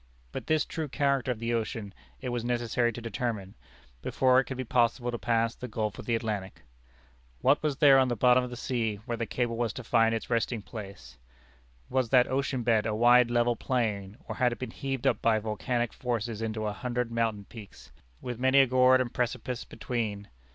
But this true character of the ocean it was necessary to determine, before it could be possible to pass the gulf of the Atlantic. What was there on the bottom of the sea, where the cable was to find its resting place? Was that ocean bed a wide level plain, or had it been heaved up by volcanic forces into a hundred mountain peaks, with many a gorge and precipice between?